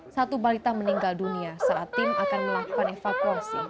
satu balita meninggal dunia saat tim akan melakukan evakuasi